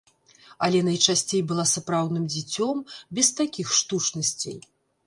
Але найчасцей была сапраўдным дзіцём, без такіх штучнасцей.